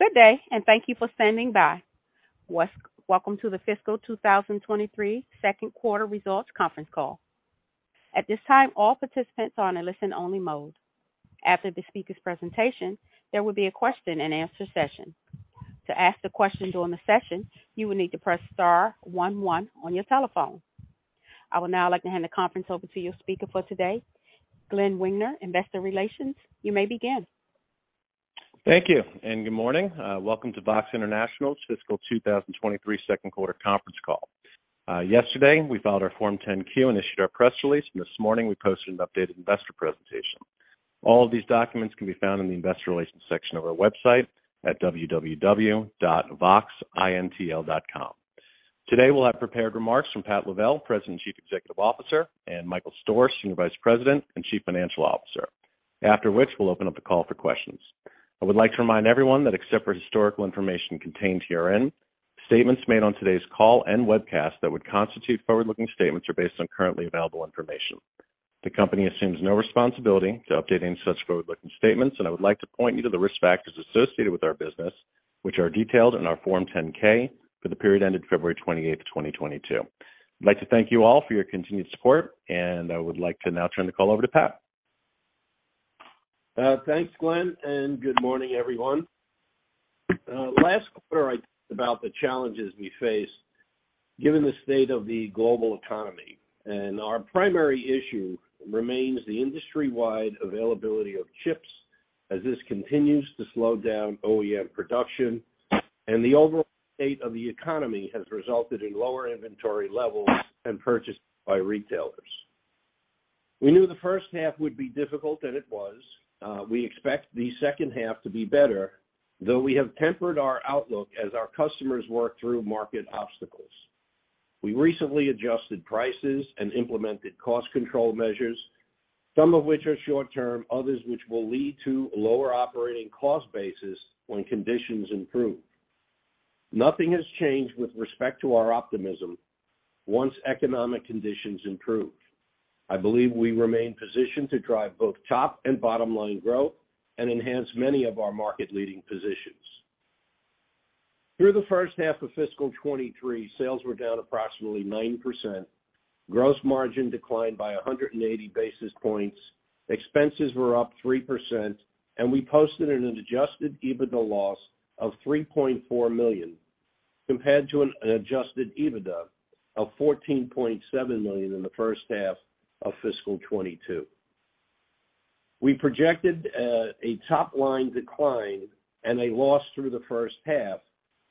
Good day, and thank you for standing by. Welcome to the fiscal 2023 second quarter results conference call. At this time, all participants are in a listen only mode. After the speaker's presentation, there will be a question and answer session. To ask the question during the session, you will need to press star one one on your telephone. I would now like to hand the conference over to your speaker for today, Glenn Wiener, Investor Relations. You may begin. Thank you, and good morning. Welcome to VOXX International fiscal 2023 second quarter conference call. Yesterday, we filed our Form 10-Q and issued our press release. This morning, we posted an updated investor presentation. All of these documents can be found in the investor relations section of our website at www.voxxintl.com. Today, we'll have prepared remarks from Pat Lavelle, President and Chief Executive Officer, and Michael Stoehr, Senior Vice President and Chief Financial Officer. After which, we'll open up the call for questions. I would like to remind everyone that except for historical information contained herein, statements made on today's call and webcast that would constitute forward-looking statements are based on currently available information. The company assumes no responsibility to updating such forward-looking statements, and I would like to point you to the risk factors associated with our business, which are detailed in our Form 10-K for the period ended February 28th, 2022. I'd like to thank you all for your continued support, and I would like to now turn the call over to Pat. Thanks, Glenn, and good morning, everyone. Last quarter, I talked about the challenges we face given the state of the global economy, and our primary issue remains the industry-wide availability of chips as this continues to slow down OEM production, and the overall state of the economy has resulted in lower inventory levels and purchases by retailers. We knew the first half would be difficult, and it was. We expect the second half to be better, though we have tempered our outlook as our customers work through market obstacles. We recently adjusted prices and implemented cost control measures, some of which are short term, others which will lead to lower operating cost bases when conditions improve. Nothing has changed with respect to our optimism once economic conditions improve. I believe we remain positioned to drive both top and bottom-line growth and enhance many of our market-leading positions. Through the first half of fiscal 2023, sales were down approximately 9%, gross margin declined by 180 basis points, expenses were up 3%, and we posted an Adjusted EBITDA loss of $3.4 million compared to an Adjusted EBITDA of $14.7 million in the first half of fiscal 2022. We projected a top-line decline and a loss through the first half,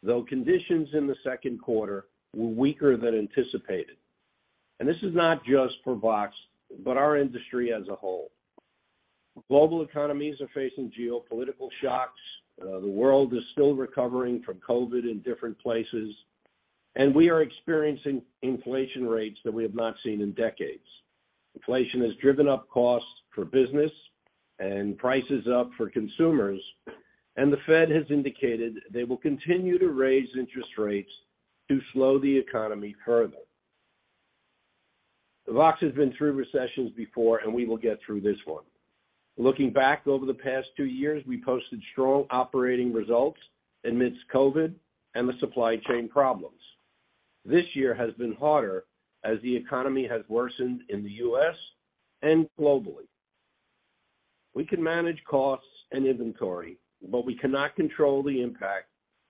though conditions in the second quarter were weaker than anticipated. This is not just for VOXX, but our industry as a whole. Global economies are facing geopolitical shocks, the world is still recovering from COVID in different places, and we are experiencing inflation rates that we have not seen in decades. Inflation has driven up costs for business and prices up for consumers, and the Fed has indicated they will continue to raise interest rates to slow the economy further. VOXX has been through recessions before, and we will get through this one. Looking back over the past two years, we posted strong operating results amidst COVID and the supply chain problems. This year has been harder as the economy has worsened in the U.S. and globally. We can manage costs and inventory, but we cannot control the impact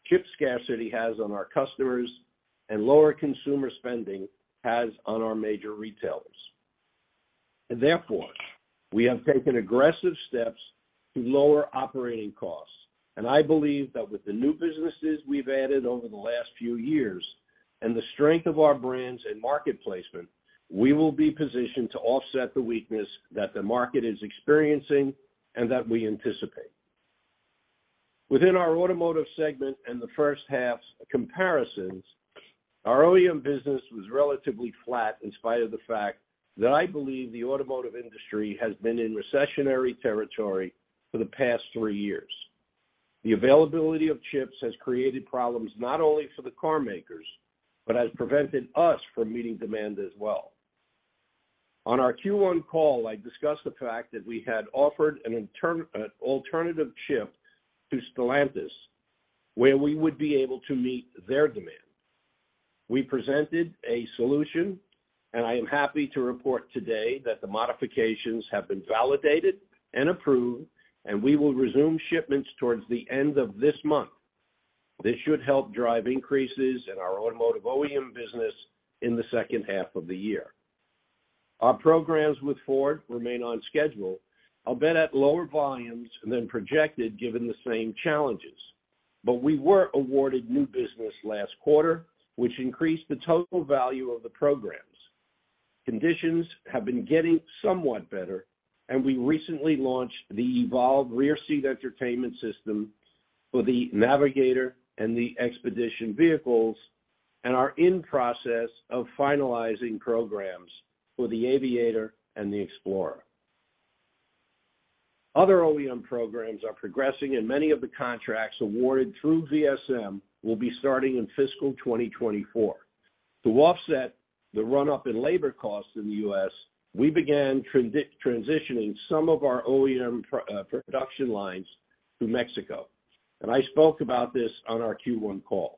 chip scarcity has on our customers and lower consumer spending has on our major retailers. Therefore, we have taken aggressive steps to lower operating costs. I believe that with the new businesses we've added over the last few years and the strength of our brands and market placement, we will be positioned to offset the weakness that the market is experiencing and that we anticipate. Within our automotive segment and the first half's comparisons, our OEM business was relatively flat in spite of the fact that I believe the automotive industry has been in recessionary territory for the past three years. The availability of chips has created problems not only for the car makers, but has prevented us from meeting demand as well. On our Q1 call, I discussed the fact that we had offered an alternative chip to Stellantis, where we would be able to meet their demand. We presented a solution, and I am happy to report today that the modifications have been validated and approved, and we will resume shipments towards the end of this month. This should help drive increases in our automotive OEM business in the second half of the year. Our programs with Ford remain on schedule, albeit at lower volumes than projected given the same challenges. We were awarded new business last quarter, which increased the total value of the programs. Conditions have been getting somewhat better, and we recently launched the evolved rear seat entertainment system for the Navigator and the Expedition vehicles and are in process of finalizing programs for the Aviator and the Explorer. Other OEM programs are progressing, and many of the contracts awarded through VSM will be starting in fiscal 2024. To offset the run-up in labor costs in the U.S., we began transitioning some of our OEM production lines to Mexico, and I spoke about this on our Q1 call.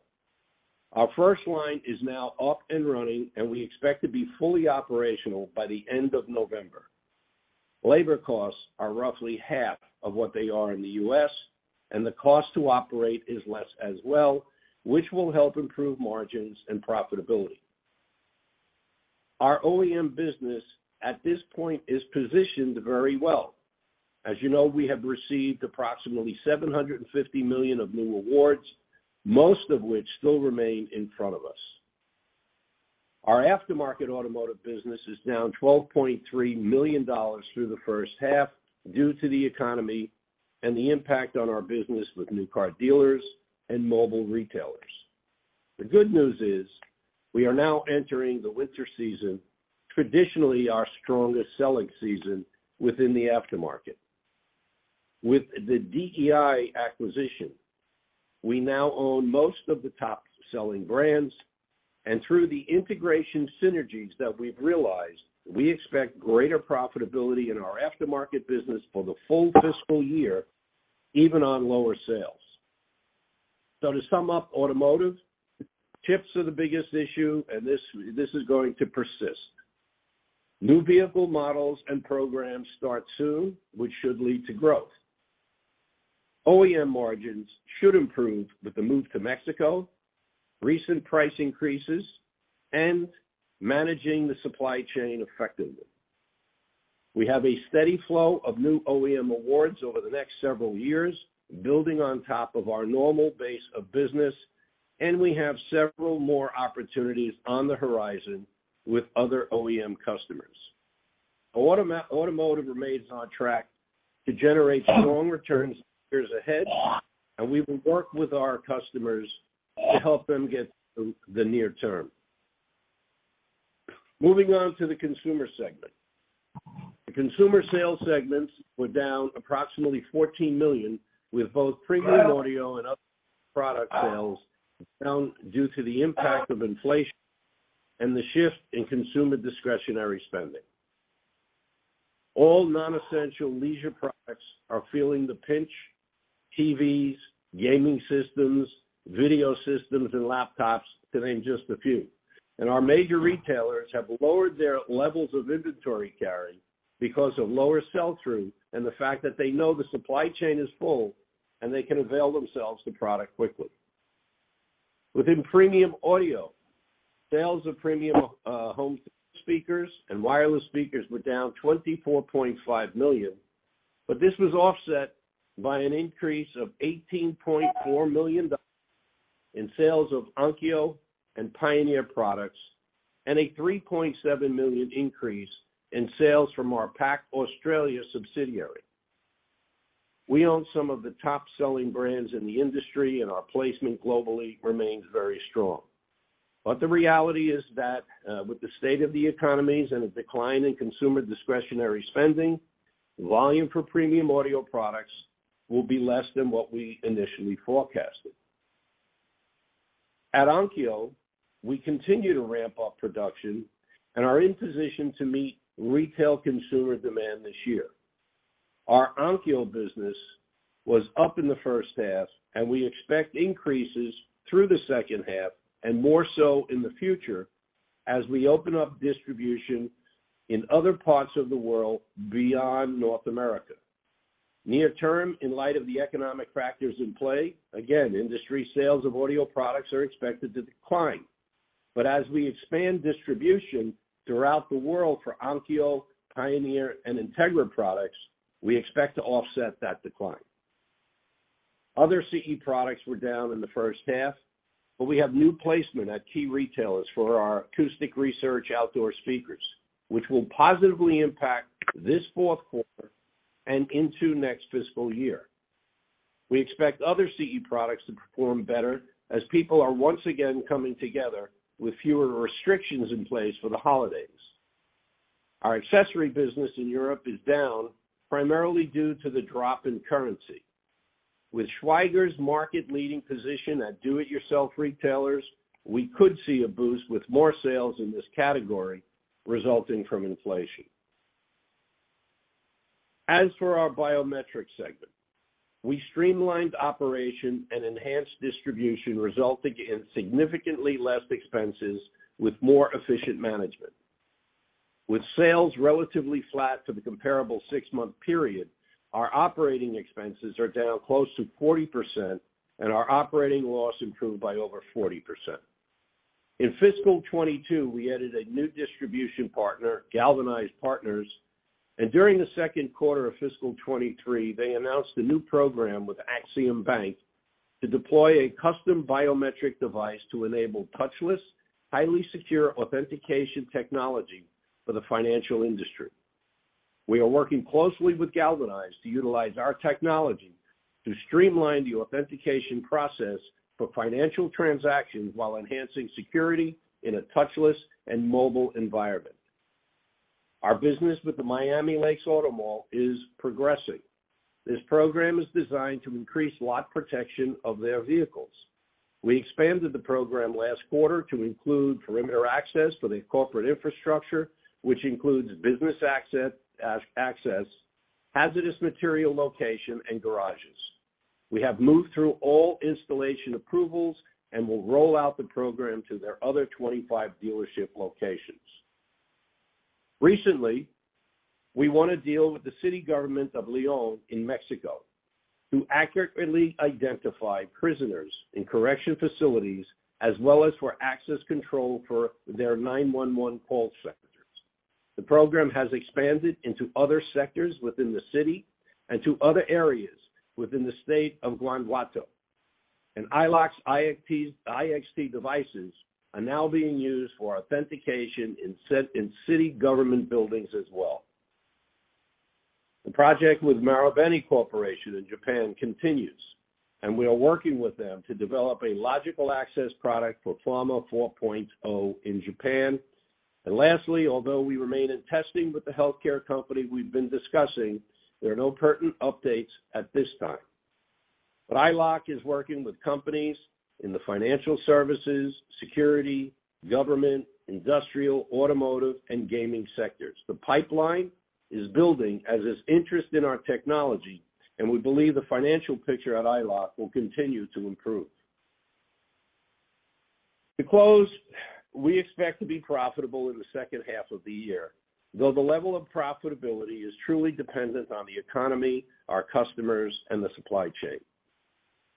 Our first line is now up and running, and we expect to be fully operational by the end of November. Labor costs are roughly half of what they are in the U.S., and the cost to operate is less as well, which will help improve margins and profitability. Our OEM business, at this point, is positioned very well. As you know, we have received approximately $750 million of new awards, most of which still remain in front of us. Our aftermarket automotive business is down $12.3 million through the first half due to the economy and the impact on our business with new car dealers and mobile retailers. The good news is we are now entering the winter season, traditionally our strongest selling season within the aftermarket. With the DEI acquisition, we now own most of the top-selling brands, and through the integration synergies that we've realized, we expect greater profitability in our aftermarket business for the full fiscal year, even on lower sales. To sum up automotive, chips are the biggest issue, and this is going to persist. New vehicle models and programs start soon, which should lead to growth. OEM margins should improve with the move to Mexico, recent price increases, and managing the supply chain effectively. We have a steady flow of new OEM awards over the next several years, building on top of our normal base of business, and we have several more opportunities on the horizon with other OEM customers. Automotive remains on track to generate strong returns years ahead, and we will work with our customers to help them get through the near term. Moving on to the consumer segment. The consumer sales segments were down approximately $14 million, with both premium audio and other product sales down due to the impact of inflation and the shift in consumer discretionary spending. All non-essential leisure products are feeling the pinch, TVs, gaming systems, video systems and laptops to name just a few. Our major retailers have lowered their levels of inventory carrying because of lower sell-through and the fact that they know the supply chain is full and they can avail themselves to product quickly. Within premium audio, sales of premium home speakers and wireless speakers were down $24.5 million, but this was offset by an increase of $18.4 million in sales of Onkyo and Pioneer products, and a $3.7 million increase in sales from our PAC Australia subsidiary. We own some of the top-selling brands in the industry, and our placement globally remains very strong. The reality is that, with the state of the economies and a decline in consumer discretionary spending, volume for premium audio products will be less than what we initially forecasted. At Onkyo, we continue to ramp up production and are in position to meet retail consumer demand this year. Our Onkyo business was up in the first half, and we expect increases through the second half and more so in the future as we open up distribution in other parts of the world beyond North America. Near-term, in light of the economic factors in play, again, industry sales of audio products are expected to decline. As we expand distribution throughout the world for Onkyo, Pioneer and Integra products, we expect to offset that decline. Other CE products were down in the first half, but we have new placement at key retailers for our Acoustic Research outdoor speakers, which will positively impact this fourth quarter and into next fiscal year. We expect other CE products to perform better as people are once again coming together with fewer restrictions in place for the holidays. Our accessory business in Europe is down, primarily due to the drop in currency. With Schwaiger's market-leading position at do-it-yourself retailers, we could see a boost with more sales in this category resulting from inflation. As for our biometric segment, we streamlined operation and enhanced distribution resulting in significantly less expenses with more efficient management. With sales relatively flat for the comparable six-month period, our operating expenses are down close to 40%, and our operating loss improved by over 40%. In fiscal 2022, we added a new distribution partner, GalvanEyes Partners, and during the second quarter of fiscal 2023, they announced a new program with Axiom Bank to deploy a custom biometric device to enable touchless, highly secure authentication technology for the financial industry. We are working closely with GalvanEyes to utilize our technology to streamline the authentication process for financial transactions while enhancing security in a touchless and mobile environment. Our business with the Miami Lakes Automall is progressing. This program is designed to increase lot protection of their vehicles. We expanded the program last quarter to include perimeter access for the corporate infrastructure, which includes business access, hazardous material location, and garages. We have moved through all installation approvals and will roll out the program to their other 25 dealership locations. Recently, we won a deal with the city government of León in Mexico to accurately identify prisoners in correctional facilities as well as for access control for their 911 call centers. The program has expanded into other sectors within the city and to other areas within the state of Guanajuato. EyeLock's iXT devices are now being used for authentication in city government buildings as well. The project with Marubeni Corporation in Japan continues, and we are working with them to develop a logical access product for Pharma 4.0 in Japan. Lastly, although we remain in testing with the healthcare company we've been discussing, there are no pertinent updates at this time. EyeLock is working with companies in the financial services, security, government, industrial, automotive, and gaming sectors. The pipeline is building, as is interest in our technology, and we believe the financial picture at EyeLock will continue to improve. To close, we expect to be profitable in the second half of the year, though the level of profitability is truly dependent on the economy, our customers, and the supply chain.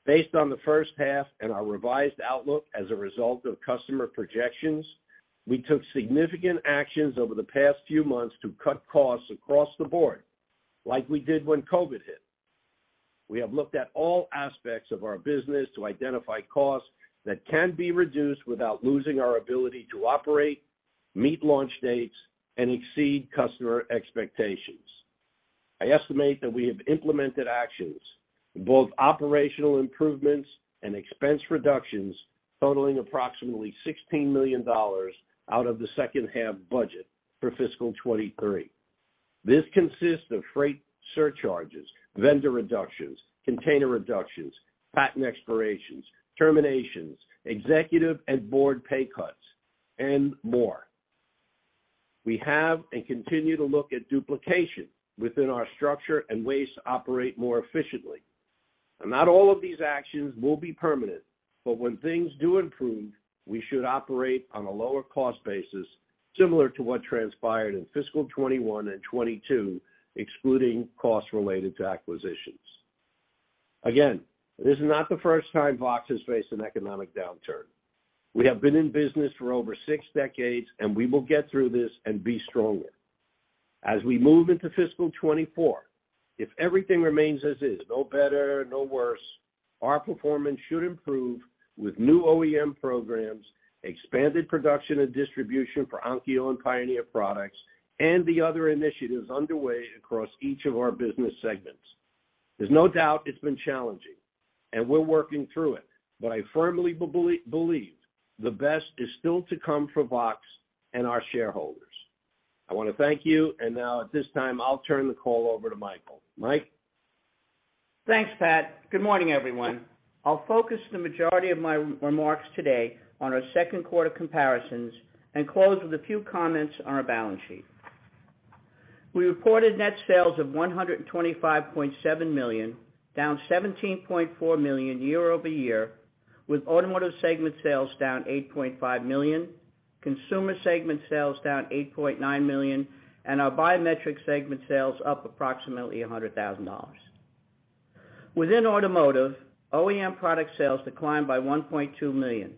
Based on the first half and our revised outlook as a result of customer projections, we took significant actions over the past few months to cut costs across the board like we did when COVID hit. We have looked at all aspects of our business to identify costs that can be reduced without losing our ability to operate, meet launch dates, and exceed customer expectations. I estimate that we have implemented actions in both operational improvements and expense reductions totaling approximately $16 million out of the second half budget for fiscal 2023. This consists of freight surcharges, vendor reductions, container reductions, patent expirations, terminations, executive and board pay cuts, and more. We have and continue to look at duplication within our structure and ways to operate more efficiently. Not all of these actions will be permanent, but when things do improve, we should operate on a lower cost basis, similar to what transpired in fiscal 2021 and 2022, excluding costs related to acquisitions. Again, this is not the first time VOXX has faced an economic downturn. We have been in business for over six decades, and we will get through this and be stronger. As we move into fiscal 2024, if everything remains as is, no better, no worse, our performance should improve with new OEM programs, expanded production and distribution for Onkyo and Pioneer products, and the other initiatives underway across each of our business segments. There's no doubt it's been challenging, and we're working through it, but I firmly believe the best is still to come for VOXX and our shareholders. I wanna thank you, and now at this time, I'll turn the call over to Michael. Mike? Thanks, Pat. Good morning, everyone. I'll focus the majority of my remarks today on our second quarter comparisons and close with a few comments on our balance sheet. We reported net sales of $125.7 million, down $17.4 million year-over-year, with automotive segment sales down $8.5 million, consumer segment sales down $8.9 million, and our biometrics segment sales up approximately $100,000. Within automotive, OEM product sales declined by $1.2 million.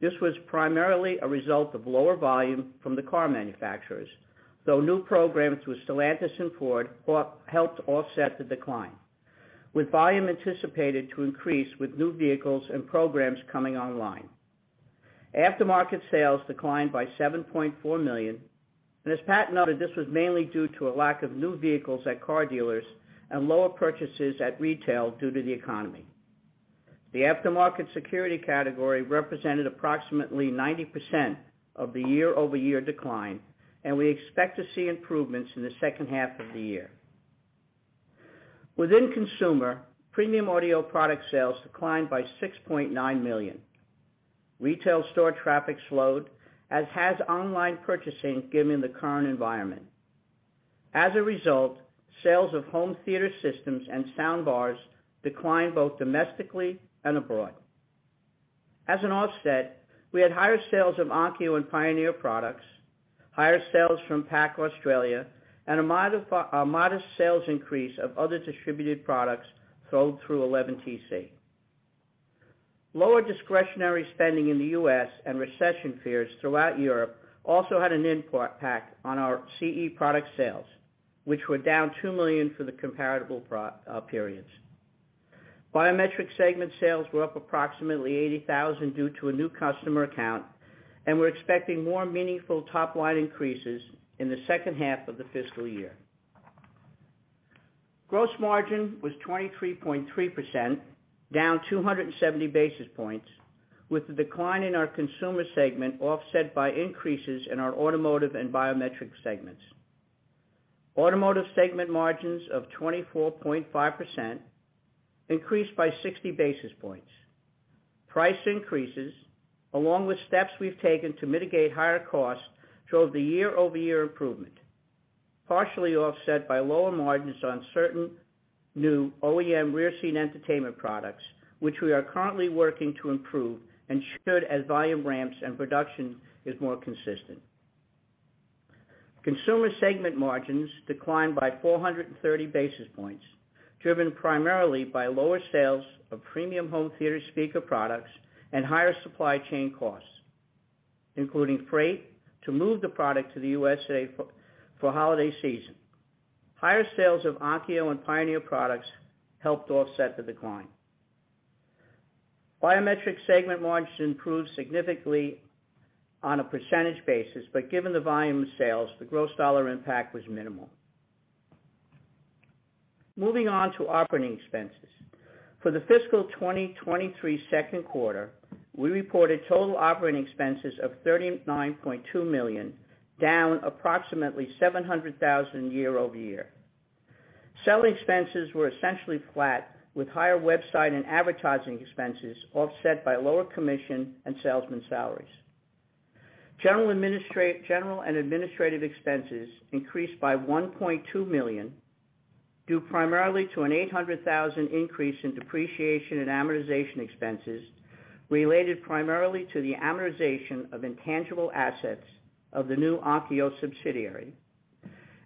This was primarily a result of lower volume from the car manufacturers, though new programs with Stellantis and Ford helped offset the decline, with volume anticipated to increase with new vehicles and programs coming online. Aftermarket sales declined by $7.4 million, and as Pat noted, this was mainly due to a lack of new vehicles at car dealers and lower purchases at retail due to the economy. The aftermarket security category represented approximately 90% of the year-over-year decline, and we expect to see improvements in the second half of the year. Within consumer, premium audio product sales declined by $6.9 million. Retail store traffic slowed, as has online purchasing given the current environment. As a result, sales of home theater systems and sound bars declined both domestically and abroad. As an offset, we had higher sales of Onkyo and Pioneer products, higher sales from PAC Australia, and a modest sales increase of other distributed products sold through 11 TC. Lower discretionary spending in the U.S. and recession fears throughout Europe also had an impact on our CE product sales, which were down $2 million for the comparable periods. Biometric segment sales were up approximately $80,000 due to a new customer account, and we're expecting more meaningful top-line increases in the second half of the fiscal year. Gross margin was 23.3%, down 270 basis points, with the decline in our consumer segment offset by increases in our automotive and biometric segments. Automotive segment margins of 24.5% increased by 60 basis points. Price increases, along with steps we've taken to mitigate higher costs, showed the year-over-year improvement, partially offset by lower margins on certain new OEM rear-seat entertainment products, which we are currently working to improve and should as volume ramps and production is more consistent. Consumer segment margins declined by 430 basis points, driven primarily by lower sales of premium home theater speaker products and higher supply chain costs, including freight to move the product to the USA for holiday season. Higher sales of Onkyo and Pioneer products helped offset the decline. Biometric segment margins improved significantly on a percentage basis, but given the volume of sales, the gross dollar impact was minimal. Moving on to operating expenses. For the fiscal 2023 second quarter, we reported total operating expenses of $39.2 million, down approximately $700,000 year-over-year. Selling expenses were essentially flat, with higher website and advertising expenses offset by lower commission and salesman salaries. General and administrative expenses increased by $1.2 million, due primarily to an $800,000 increase in depreciation and amortization expenses related primarily to the amortization of intangible assets of the new Onkyo subsidiary,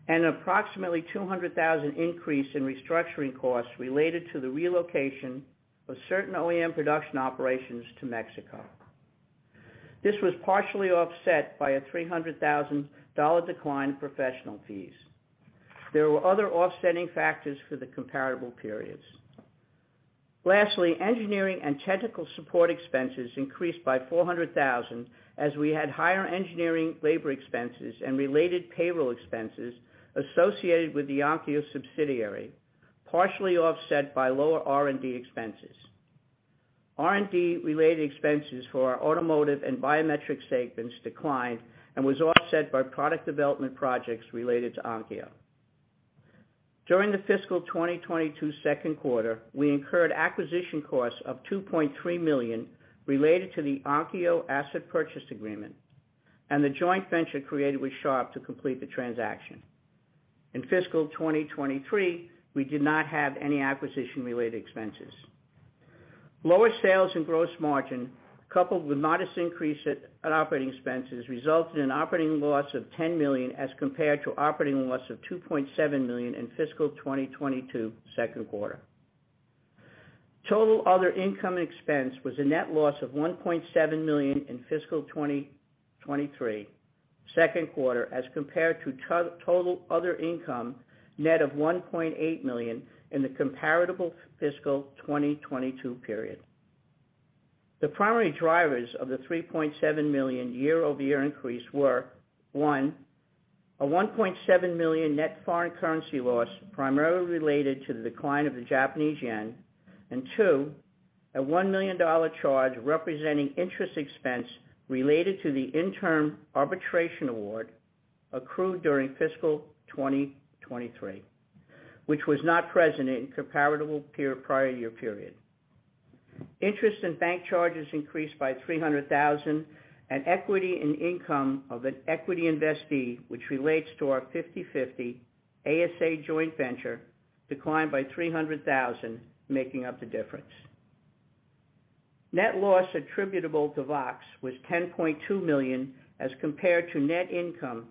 and an approximately $200,000 increase in restructuring costs related to the relocation of certain OEM production operations to Mexico. This was partially offset by a $300,000 decline in professional fees. There were other offsetting factors for the comparable periods. Lastly, engineering and technical support expenses increased by $400,000 as we had higher engineering labor expenses and related payroll expenses associated with the Onkyo subsidiary, partially offset by lower R&D expenses. R&D-related expenses for our automotive and biometric segments declined and was offset by product development projects related to Onkyo. During the fiscal 2022 second quarter, we incurred acquisition costs of $2.3 million related to the Onkyo asset purchase agreement and the joint venture created with Sharp to complete the transaction. In fiscal 2023, we did not have any acquisition-related expenses. Lower sales and gross margin, coupled with modest increase in operating expenses, resulted in operating loss of $10 million as compared to operating loss of $2.7 million in fiscal 2022 second quarter. Total other income/expense was a net loss of $1.7 million in fiscal 2023 second quarter as compared to total other income net of $1.8 million in the comparable fiscal 2022 period. The primary drivers of the $3.7 million year-over-year increase were one, a $1.7 million net foreign currency loss primarily related to the decline of the Japanese yen, and two, a $1 million charge representing interest expense related to the interim arbitration award accrued during fiscal 2023, which was not present in comparable prior year period. Interest and bank charges increased by $300,000, and equity in income of an equity investee, which relates to our 50/50 ASA joint venture, declined by $300,000, making up the difference. Net loss attributable to VOXX was $10.2 million, as compared to net income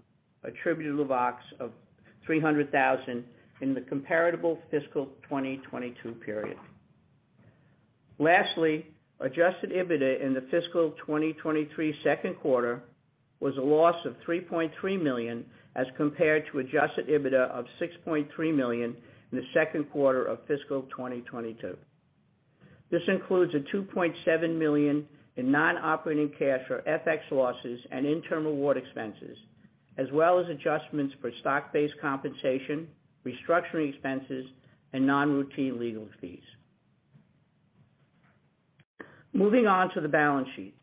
attributable to VOXX of $300,000 in the comparable fiscal 2022 period. Lastly, Adjusted EBITDA in the fiscal 2023 second quarter was a loss of $3.3 million, as compared to Adjusted EBITDA of $6.3 million in the second quarter of fiscal 2022. This includes $2.7 million in non-operating costs for FX losses and interim award expenses, as well as adjustments for stock-based compensation, restructuring expenses, and non-routine legal fees. Moving on to the balance sheet.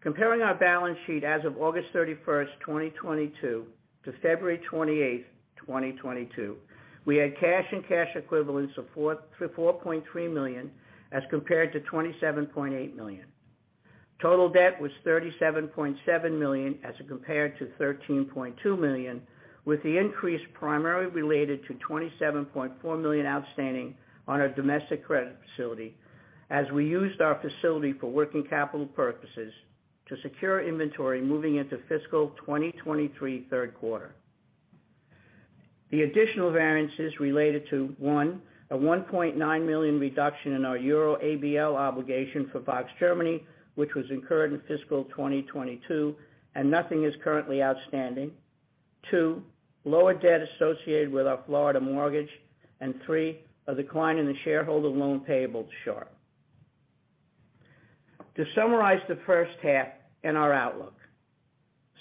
Comparing our balance sheet as of August 31st, 2022, to February 28th, 2022, we had cash and cash equivalents of $4 million-$4.3 million as compared to $27.8 million. Total debt was $37.7 million as compared to $13.2 million, with the increase primarily related to $27.4 million outstanding on our domestic credit facility as we used our facility for working capital purposes to secure inventory moving into fiscal 2023 third quarter. The additional variances related to, one, a 1.9 million reduction in our Euro ABL obligation for VOXX Germany, which was incurred in fiscal 2022, and nothing is currently outstanding. Two, lower debt associated with our Florida mortgage. Three, a decline in the shareholder loan payable to Sharp. To summarize the first half and our outlook.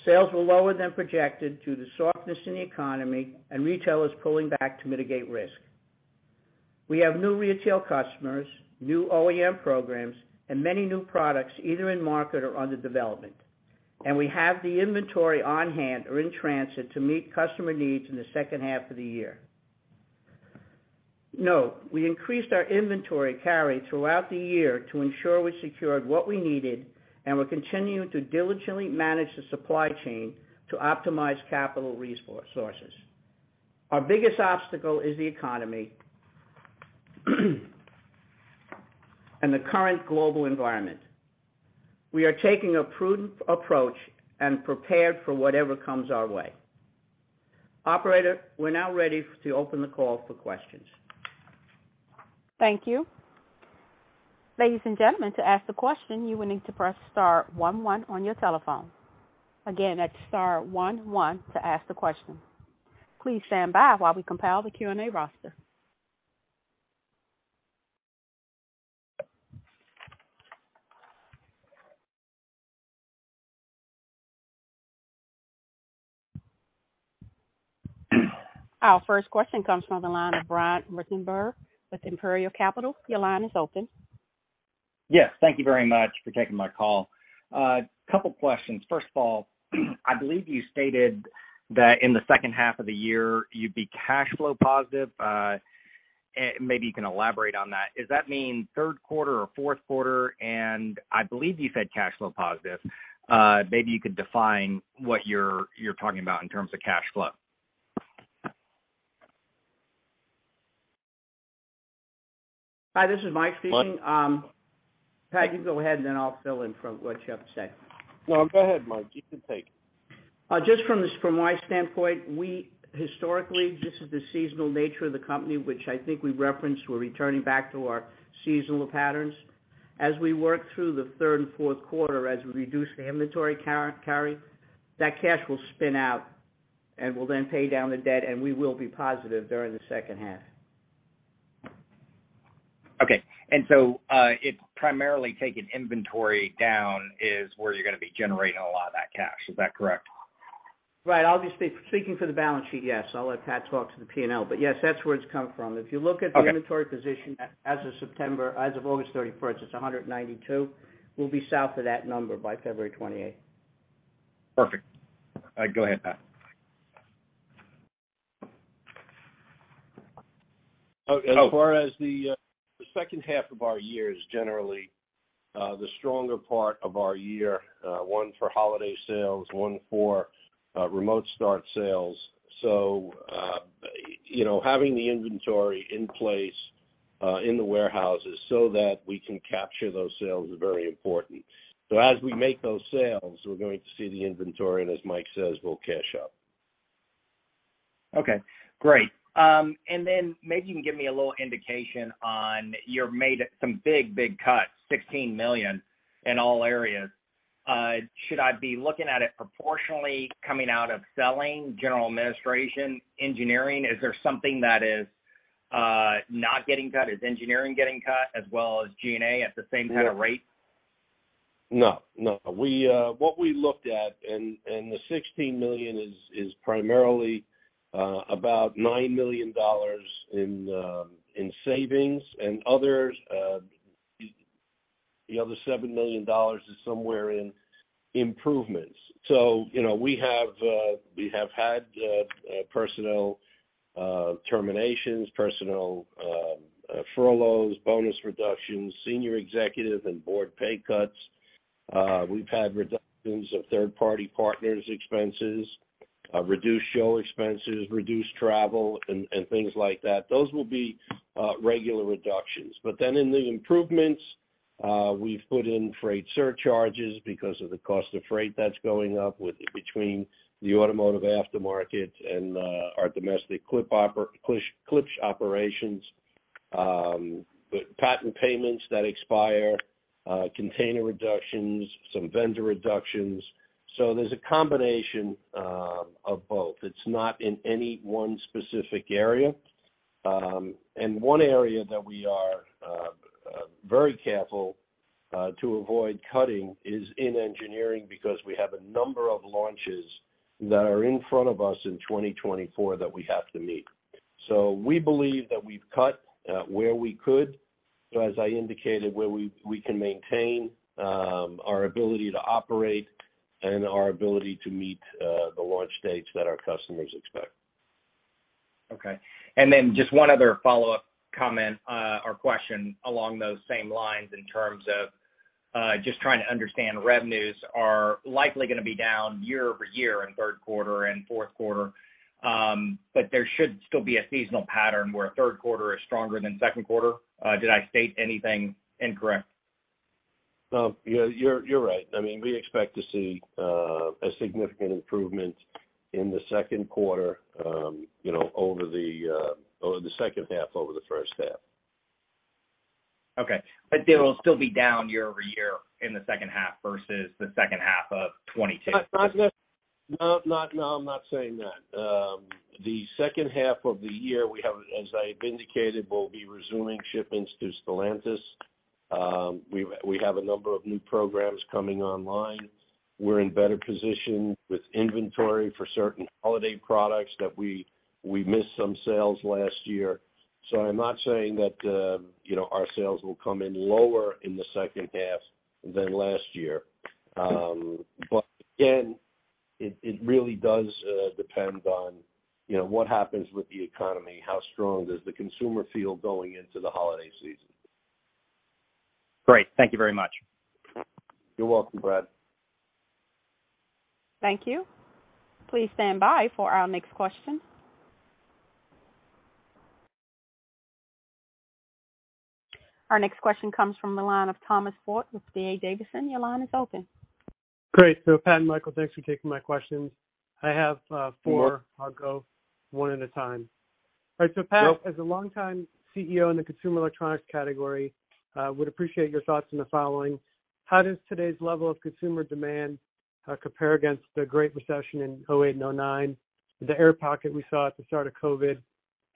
Sales were lower than projected due to softness in the economy and retailers pulling back to mitigate risk. We have new retail customers, new OEM programs, and many new products either in market or under development. We have the inventory on hand or in transit to meet customer needs in the second half of the year. Note, we increased our inventory carry throughout the year to ensure we secured what we needed, and we're continuing to diligently manage the supply chain to optimize capital resources. Our biggest obstacle is the economy and the current global environment. We are taking a prudent approach and prepared for whatever comes our way. Operator, we're now ready to open the call for questions. Thank you. Ladies and gentlemen, to ask a question, you will need to press star one one on your telephone. Again, that's star one one to ask the question. Please stand by while we compile the Q&A roster. Our first question comes from the line of Brian Ruttenbur with Imperial Capital. Your line is open. Yes. Thank you very much for taking my call. A couple questions. First of all, I believe you stated that in the second half of the year, you'd be cash flow positive. Maybe you can elaborate on that. Does that mean third quarter or fourth quarter? I believe you said cash flow positive. Maybe you could define what you're talking about in terms of cash flow. Hi, this is Mike speaking. Mike- Pat, you go ahead, and then I'll fill in from what you have to say. No, go ahead, Mike. You can take it. Just from this, from my standpoint, we historically, this is the seasonal nature of the company, which I think we referenced. We're returning back to our seasonal patterns. As we work through the third and fourth quarter, as we reduce the inventory carry, that cash will spin out, and we'll then pay down the debt, and we will be positive during the second half. Okay. It's primarily taking inventory down is where you're gonna be generating a lot of that cash. Is that correct? Right. Obviously, speaking for the balance sheet, yes. I'll let Pat talk to the P&L. Yes, that's where it's come from. Okay. If you look at the inventory position as of September, as of August 31st, it's 192. We'll be south of that number by February 28th. Perfect. Go ahead, Pat. As far as the second half of our year is generally the stronger part of our year, one for holiday sales, one for remote start sales. You know, having the inventory in place in the warehouses so that we can capture those sales is very important. As we make those sales, we're going to see the inventory, and as Mike says, we'll cash up. Okay. Great. Maybe you can give me a little indication on you've made some big, big cuts, $16 million in all areas. Should I be looking at it proportionally coming out of selling, general administration, engineering? Is there something that is not getting cut? Is engineering getting cut as well as G&A at the same kind of rate? No, no. What we looked at and the $16 million is primarily about $9 million in savings and others. The other $7 million is somewhere in improvements. You know, we have had personnel terminations, personnel furloughs, bonus reductions, senior executive and board pay cuts. We've had reductions of third-party partners expenses, reduced show expenses, reduced travel and things like that. Those will be regular reductions. In the improvements, we've put in freight surcharges because of the cost of freight that's going up between the automotive aftermarket and our domestic Klipsch operations, but patent payments that expire, container reductions, some vendor reductions. There's a combination of both. It's not in any one specific area. One area that we are very careful to avoid cutting is in engineering because we have a number of launches that are in front of us in 2024 that we have to meet. We believe that we've cut where we could. As I indicated, where we can maintain our ability to operate and our ability to meet the launch dates that our customers expect. Okay. Then just one other follow-up comment, or question along those same lines in terms of, just trying to understand revenues are likely gonna be down year-over-year in third quarter and fourth quarter. There should still be a seasonal pattern where third quarter is stronger than second quarter. Did I state anything incorrect? No, you're right. I mean, we expect to see a significant improvement in the second quarter, you know, over the second half over the first half. Okay. They will still be down year-over-year in the second half versus the second half of 2022. No, I'm not saying that. The second half of the year, we have, as I have indicated, we'll be resuming shipments to Stellantis. We have a number of new programs coming online. We're in better position with inventory for certain holiday products that we missed some sales last year. I'm not saying that, you know, our sales will come in lower in the second half than last year. Again, it really does depend on, you know, what happens with the economy, how strong does the consumer feel going into the holiday season. Great. Thank you very much. You're welcome, Brian. Thank you. Please stand by for our next question. Our next question comes from the line of Thomas Forte with D.A. Davidson. Your line is open. Great. Pat and Michael, thanks for taking my questions. I have four. I'll go one at a time. All right. Pat, as a longtime CEO in the consumer electronics category, would appreciate your thoughts on the following. How does today's level of consumer demand compare against the great recession in 2008 and 2009, the air pocket we saw at the start of COVID,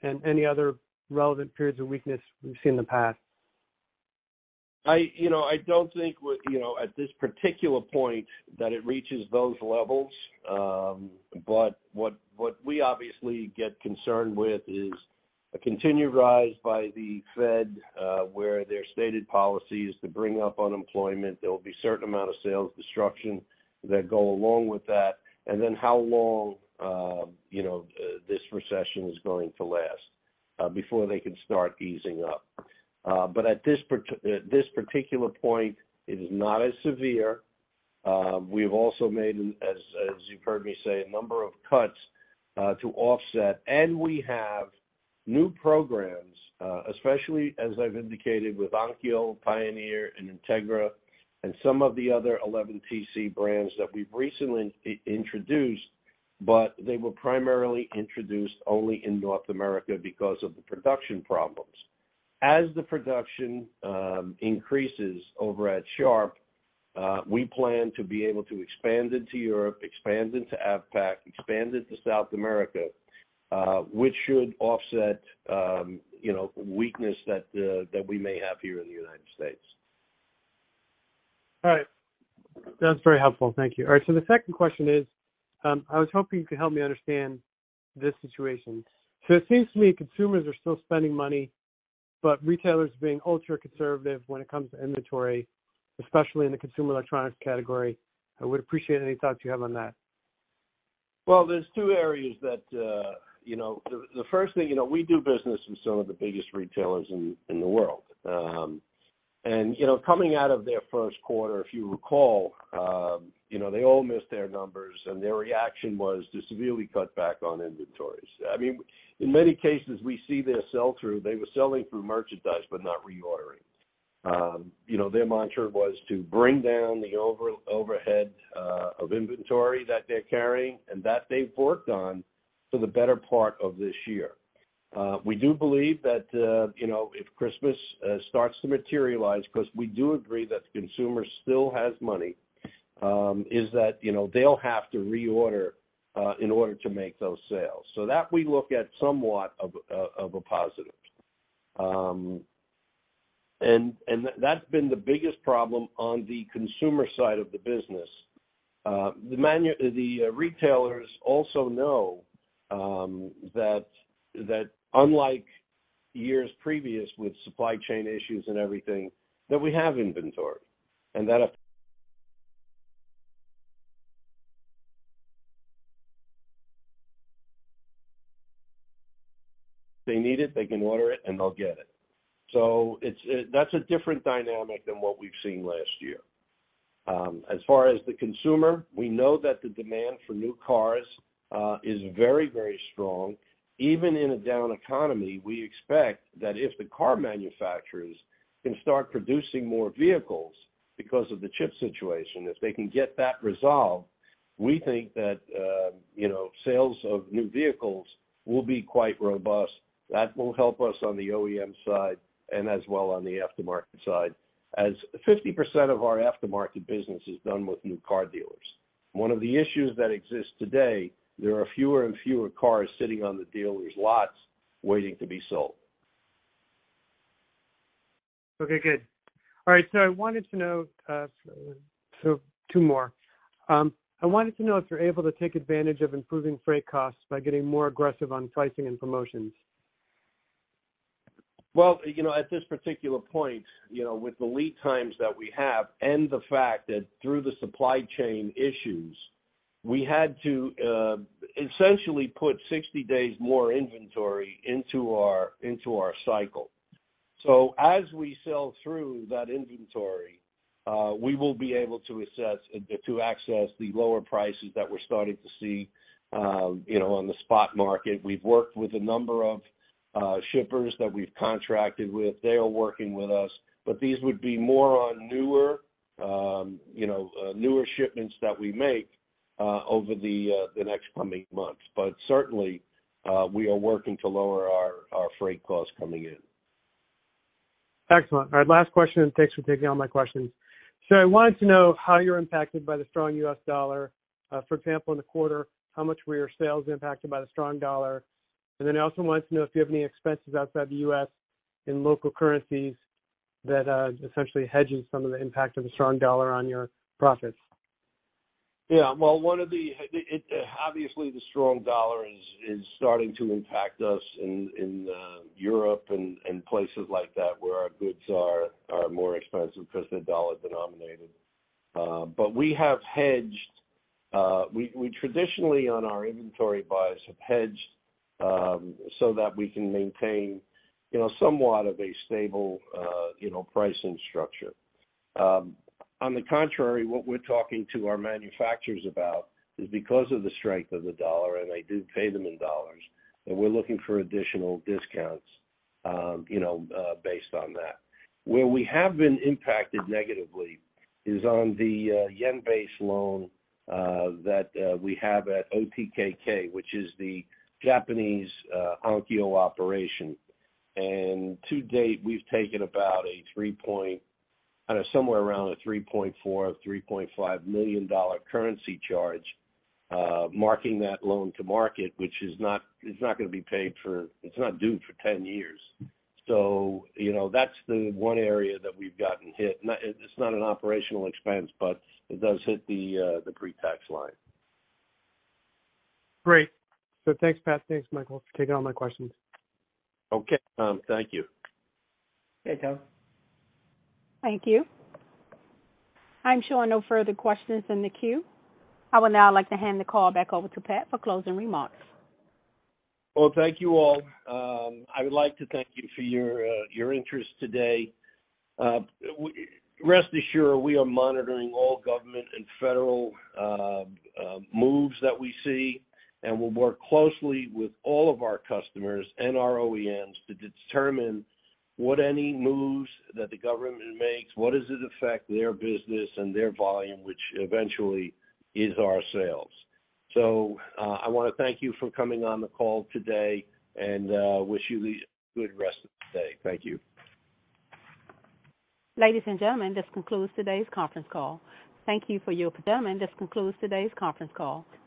and any other relevant periods of weakness we've seen in the past? I don't think, you know, at this particular point that it reaches those levels. What we obviously get concerned with is a continued rise by the Fed, where their stated policy is to bring up unemployment. There will be certain amount of sales destruction that go along with that. Then how long, you know, this recession is going to last before they can start easing up. At this particular point, it is not as severe. We've also made, as you've heard me say, a number of cuts to offset. We have new programs, especially as I've indicated, with Onkyo, Pioneer and Integra and some of the other 11 TC brands that we've recently introduced, but they were primarily introduced only in North America because of the production problems. As the production increases over at Sharp, we plan to be able to expand into Europe, expand into APAC, expand into South America, which should offset, you know, weakness that we may have here in the United States. All right. That's very helpful. Thank you. All right. The second question is, I was hoping you could help me understand this situation. It seems to me consumers are still spending money, but retailers are being ultra-conservative when it comes to inventory, especially in the consumer electronics category. I would appreciate any thoughts you have on that. Well, there's two areas that, you know, the first thing, you know, we do business with some of the biggest retailers in the world. You know, coming out of their first quarter, if you recall, you know, they all missed their numbers, and their reaction was to severely cut back on inventories. I mean, in many cases, we see their sell-through. They were selling through merchandise but not reordering. You know, their mantra was to bring down the overhead of inventory that they're carrying and that they've worked on for the better part of this year. We do believe that, you know, if Christmas starts to materialize, because we do agree that the consumer still has money, is that, you know, they'll have to reorder in order to make those sales. That we look at somewhat of a positive. That's been the biggest problem on the consumer side of the business. The retailers also know that unlike years previous with supply chain issues and everything, that we have inventory and that if they need it, they can order it and they'll get it. That's a different dynamic than what we've seen last year. As far as the consumer, we know that the demand for new cars is very strong. Even in a down economy, we expect that if the car manufacturers can start producing more vehicles because of the chip situation, if they can get that resolved, we think that sales of new vehicles will be quite robust. That will help us on the OEM side and as well on the aftermarket side, as 50% of our aftermarket business is done with new car dealers. One of the issues that exists today. There are fewer and fewer cars sitting on the dealers' lots waiting to be sold. Okay, good. All right. I wanted to know, so two more. I wanted to know if you're able to take advantage of improving freight costs by getting more aggressive on pricing and promotions. Well, you know, at this particular point, you know, with the lead times that we have and the fact that through the supply chain issues, we had to essentially put 60 days more inventory into our cycle. As we sell through that inventory, we will be able to access the lower prices that we're starting to see, you know, on the spot market. We've worked with a number of shippers that we've contracted with. They are working with us, but these would be more on newer shipments that we make over the next coming months. Certainly, we are working to lower our freight costs coming in. Excellent. All right, last question and thanks for taking all my questions. I wanted to know how you're impacted by the strong U.S. dollar. For example, in the quarter, how much were your sales impacted by the strong dollar? I also wanted to know if you have any expenses outside the U.S. in local currencies that essentially hedges some of the impact of the strong dollar on your profits. Yeah. Well, obviously, the strong dollar is starting to impact us in Europe and places like that where our goods are more expensive because they're dollar-denominated. We have hedged. We traditionally, on our inventory buys, have hedged, so that we can maintain, you know, somewhat of a stable, you know, pricing structure. On the contrary, what we're talking to our manufacturers about is because of the strength of the dollar, and I do pay them in dollars, that we're looking for additional discounts, you know, based on that. Where we have been impacted negatively is on the yen-based loan that we have at OTKK, which is the Japanese Onkyo operation. To date, we've taken about a 3-point Kinda somewhere around a $3.4 million-$3.5 million currency charge, marking that loan to market, which is not. It's not gonna be paid for; it's not due for 10 years. You know, that's the one area that we've gotten hit. It's not an operational expense, but it does hit the pre-tax line. Great. Thanks, Pat. Thanks, Michael, for taking all my questions. Okay. Thank you. Okay. Bye. Thank you. I'm showing no further questions in the queue. I would now like to hand the call back over to Pat for closing remarks. Well, thank you all. I would like to thank you for your interest today. Rest assured, we are monitoring all government and federal moves that we see, and we'll work closely with all of our customers and our OEMs to determine what any moves that the government makes, what does it affect their business and their volume, which eventually is our sales. I wanna thank you for coming on the call today and wish you a good rest of the day. Thank you. Ladies and gentlemen, this concludes today's conference call. Thank you for your participation. This concludes today's conference call.